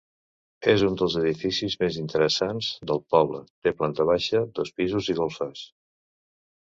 És un dels edificis més interessants del poble, té planta baixa, dos pisos i golfes.